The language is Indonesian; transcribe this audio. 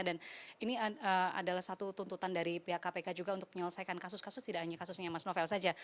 dan ini adalah satu tuntutan dari pihak kpk juga untuk menyelesaikan kasus kasus tidak hanya kasusnya mas novel saja